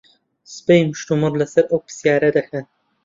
سبەی مشتومڕ لەسەر ئەو پرسیارە دەکەن.